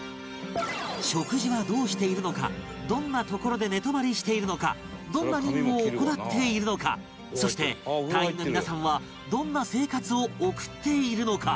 食事はどうしているのかどんな所で寝泊まりしているのかどんな任務を行っているのかそして隊員の皆さんはどんな生活を送っているのか？